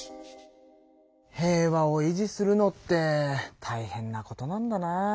平和を維持するのってたいへんなことなんだなあ。